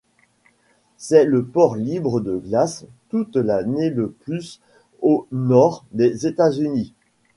C'est le port libre de glaces toute l'année le plus au nord des États-Unis.